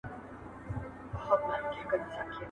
• خپله لاسه، گله لاسه